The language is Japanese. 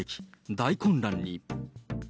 大混乱に。